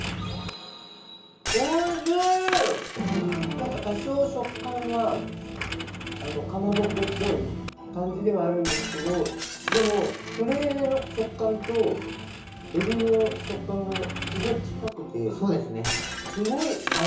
何か多少食感はかまぼこっぽい感じではあるんですけどでもそれの食感とエビの食感がすごい近くてすごい合いますね。